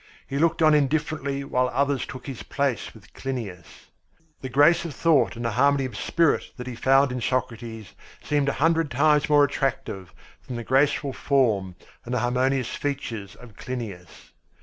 He looked on indifferently while others took his place with Clinias. The grace of thought and the harmony of spirit that he found in Socrates seemed a hundred times more attractive than the graceful form and the harmonious features of Clinias.